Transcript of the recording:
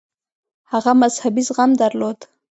هغه مذهبي زغم درلود.